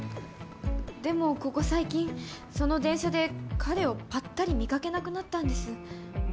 でもここ最近その電車で彼をぱったり見かけなくなったんです。